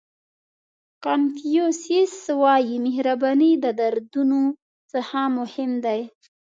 کانفیوسیس وایي مهرباني د دردونو څخه مهم دی.